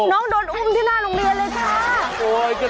น้องโดนอุ้มที่หน้าโรงเรียนเลยค่ะ